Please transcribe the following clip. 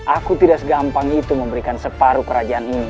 aku tidak segampang ini untukmu